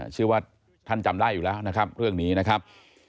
เชื่อว่าท่านจำได้อยู่แล้วนะครับเรื่องนี้นะครับ